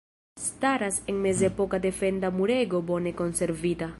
Staras mezepoka defenda murego bone konservita.